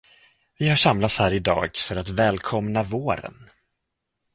Vi har samlats här idag för att välkomna våren.